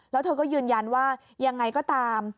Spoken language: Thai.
แล้วเธอก็ยืนยันว่ายังไงก็ตาม